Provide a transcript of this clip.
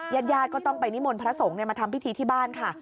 ญาติญาติก็ต้องไปนิมนต์พระสงฆ์มาทำพิธีที่บ้านค่ะ